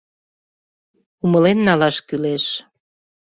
Умылен налаш кӱлеш.